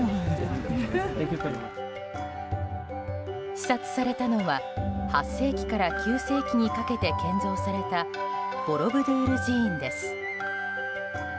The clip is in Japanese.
視察されたのは８世紀から９世紀にかけて建造されたボロブドゥール寺院です。